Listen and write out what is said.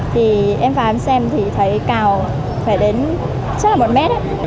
thì em vào em xem thì thấy cào phải đến chắc là một mét ấy